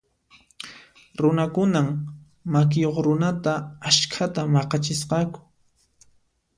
Runakunan makiyuq runata askhata maq'achisqaku.